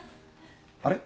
あれ？